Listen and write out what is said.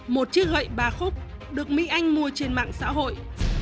một chiếc hệ bà khúc được mỹ anh mua trên mạng xã hội